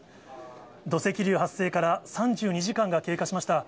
土石流発生から３２時間が経過しました。